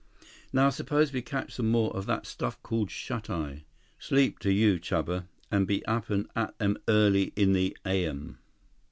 "Now suppose we catch some more of that stuff called shut eye—sleep to you, Chuba, and be up and at 'em early in the ayem."